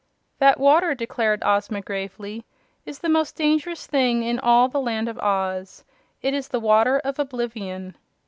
"That water," declared Ozma, gravely, "is the most dangerous thing in all the Land of Oz. It is the Water of Oblivion."